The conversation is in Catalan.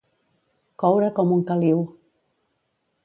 Coure com un caliu.